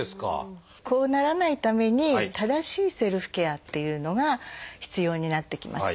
こうならないために正しいセルフケアっていうのが必要になってきます。